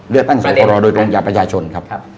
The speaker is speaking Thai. เลือกตั้งสอตรโดยตรงจากประชาชนครับ